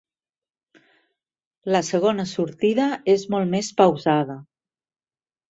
La segona sortida és molt més pausada.